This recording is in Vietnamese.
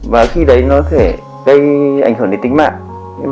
và khi đấy nó có thể gây ảnh hưởng đến tính mạng